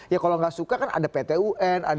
ya kalau nggak suka kan ada pt un